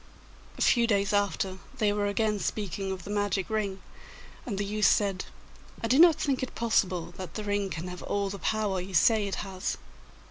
A few days after they were again speaking of the magic ring, and the youth said, 'I do not think it possible that the ring can have all the power you say it has.